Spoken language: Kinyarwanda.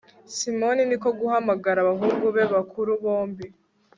simoni ni ko guhamagara abahungu be bakuru bombi